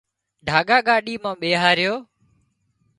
ڍاڳا ڳاڏي مان ٻيهاريو